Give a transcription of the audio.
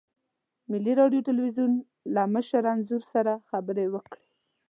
ملي راډیو تلویزیون له مشر انځور سره خبرې وکړې.